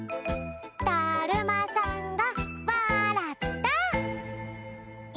だるまさんがわらった！